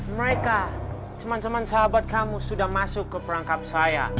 mereka teman teman sahabat kamu sudah masuk ke perangkap saya